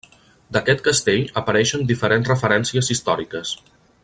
D'aquest castell apareixen diferents referències històriques.